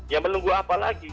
yang menunggu apa lagi